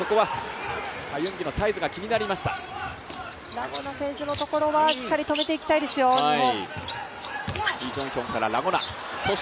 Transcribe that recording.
ラ・ゴナ選手のところはしっかり止めていきたいですよ、日本。